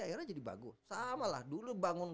akhirnya jadi bagus samalah dulu bangun